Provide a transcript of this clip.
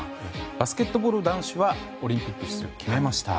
バスケットボール男子はオリンピック出場を決めました。